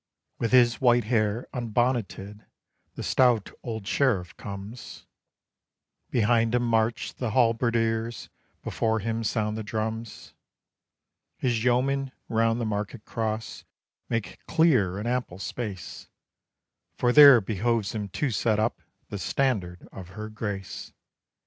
With his white hair unbonneted, the stout old sheriff comes; Behind him march the halberdiers; before him sound the drums; His yeomen, round the market cross, make clear an ample space; For there behoves him to set up the standard of Her Grace.